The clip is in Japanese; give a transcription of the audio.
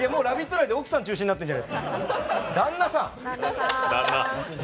内、奥さん中心になってるじゃないですか。